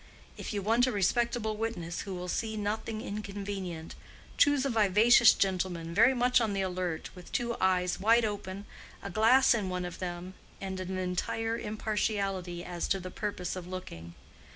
If you want a respectable witness who will see nothing inconvenient, choose a vivacious gentleman, very much on the alert, with two eyes wide open, a glass in one of them, and an entire impartiality as to the purpose of looking.